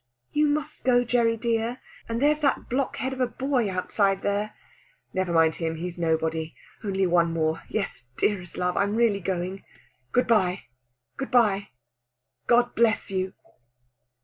"You must go, Gerry dear! And there's that blockhead of a boy outside there." "Never mind him; he's nobody! Only one more.... Yes, dearest love, I'm really going.... Good bye! good bye! God bless you!"